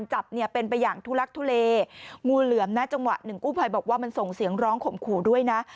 หนึ่งกู้ภัยบอกว่ามันส่งเสียงร้องขมขู่ด้วยนะ